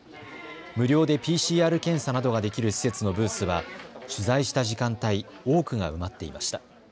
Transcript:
無料でＰＣＲ検査などができる施設のブースは取材した時間帯、多くが埋まっていました。